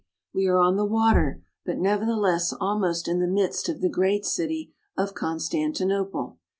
We are on the water, but nevertheless almost in the midst of the great city of Constantinople.